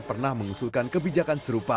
pernah mengusulkan kebijakan serupa